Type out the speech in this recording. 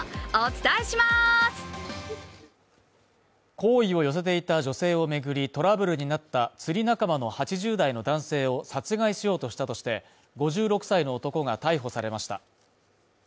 好意を寄せていた女性を巡りトラブルになった釣り仲間の８０代の男性を殺害しようとしたとして、５６歳の男が逮捕されました。